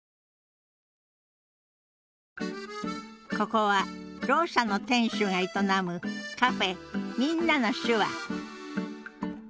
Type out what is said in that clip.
ここはろう者の店主が営むカフェ「みんなの手話」